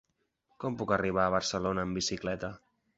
Com puc arribar a Barcelona amb bicicleta?